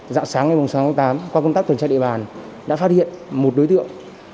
dạo sáng ngày sáu tám qua công tác tuần tra địa bàn đã phát hiện một đối tượng